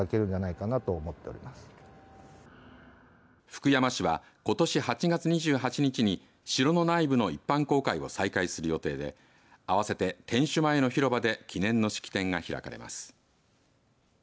福山市は、ことし８月２８日に城の内部の一般公開を再開する予定で合わせて、天守前の広場で記念の式典が開かれます。